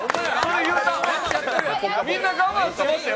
みんな、それ我慢してましたよ。